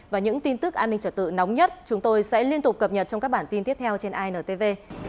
và những tin tức an ninh trở tự nóng nhất chúng tôi sẽ liên tục cập nhật trong các bản tin tiếp theo trên intv